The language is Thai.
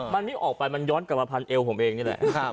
มันไม่ออกไปมันย้อนกลับมาพันเอวผมเองนี่แหละ